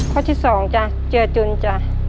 ข้อที่๒จ้ะเจือจุนจ้ะ